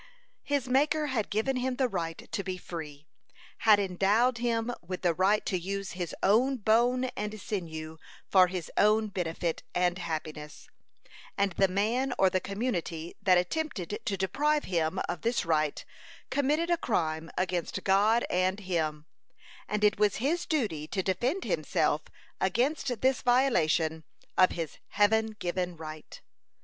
His Maker had given him the right to be free had endowed him with the right to use his own bone and sinew for his own benefit and happiness; and the man or the community that attempted to deprive him of this right committed a crime against God and him, and it was his duty to defend himself against this violation of his Heaven given right.